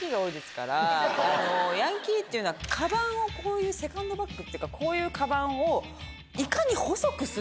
ヤンキーっていうのはカバンをセカンドバッグっていうかこういうカバンを。